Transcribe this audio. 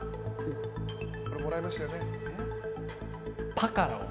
パカロン。